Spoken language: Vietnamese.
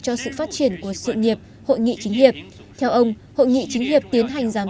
cho sự phát triển của sự nghiệp hội nghị chính hiệp theo ông hội nghị chính hiệp tiến hành giám